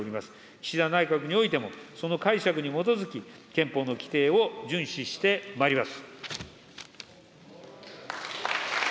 岸田内閣においても、その解釈に基づき、憲法の規定を順守してまいります。